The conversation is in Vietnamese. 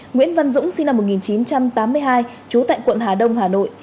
nguyễn văn dũng sinh năm một nghìn chín trăm tám mươi hai trú tại quận hà đông hà nội